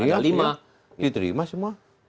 ada lima diterima semua